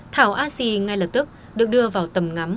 thảo a sì ngay lập tức được đưa vào tầm ngắm